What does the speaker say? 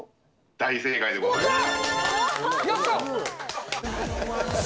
大正解でございます。